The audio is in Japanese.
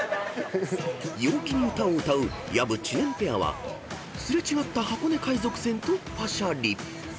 ［陽気に歌を歌う薮・知念ペアは擦れ違った箱根海賊船とパシャリ］